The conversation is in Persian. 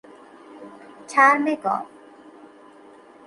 چرم گاو